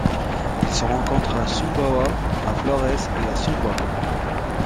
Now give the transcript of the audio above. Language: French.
Elle se rencontre à Sumbawa, à Florès et à Sumba.